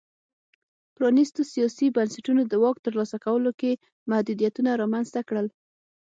پرانیستو سیاسي بنسټونو د واک ترلاسه کولو کې محدودیتونه رامنځته کړل.